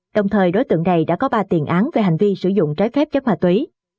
đồng thời đối tượng này đã có ba tiền án về hành vi sử dụng trái phép chất ma túy